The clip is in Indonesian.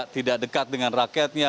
tidak dekat dengan rakyatnya